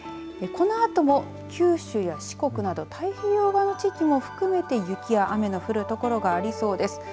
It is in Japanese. このあとも九州や四国など太平洋側の地域も含めて雪や雨の降る所がありそうです。